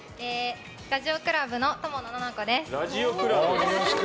ラジオクラブの友野菜々子です。